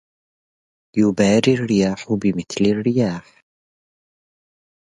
يباري الرياح بمثل الرياح